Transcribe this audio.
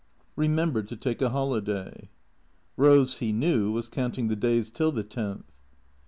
Ke member to take a holiday." Eose, he knew, was counting the days till the tenth.